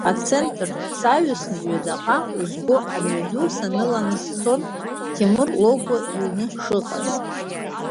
Ацентр саҩсны ҩадаҟа узгоз амҩаду саныланы сцон Ҭемыр Логәуа иҩны шыҟаз.